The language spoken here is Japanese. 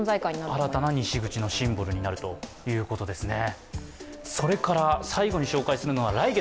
新たな西口のシンボルになるということですね。